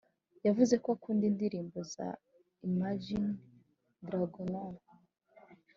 yavuze ko akunda indirimbo za Imagine Dragons